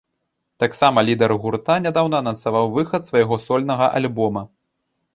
Таксама лідар гурта нядаўна анансаваў выхад свайго сольнага альбома.